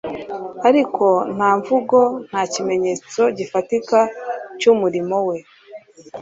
ariko nta mvugo nta kimenyetso gifatika cy'umurimo we.